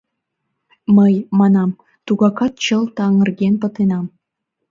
Мый, манам, тугакат чылт аҥырген пытенам.